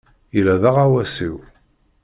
Yella d aɣawas-iw.